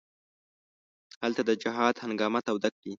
هلته د جهاد هنګامه توده کړي.